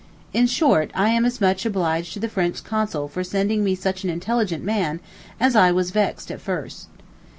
In short, I am as much obliged to the French Consul for sending me such an intelligent man as I was vexed at first.